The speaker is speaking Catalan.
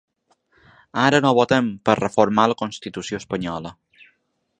Ara no votem per reformar la constitució espanyola.